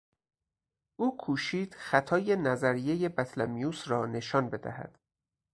او کوشید خطای نظریهی بطلمیوس را نشان بدهد.